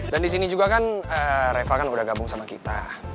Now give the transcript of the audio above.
dan di sini juga kan reva kan udah gabung sama kita